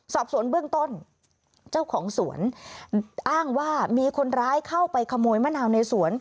สอบสวนเบื้องต้นเจ้าของสวนอ้างว่ามีคนร้ายเข้าไปขโมยมะนาวในสวน